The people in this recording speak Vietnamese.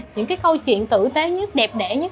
những cái câu chuyện tử tế nhất đẹp đẽ nhất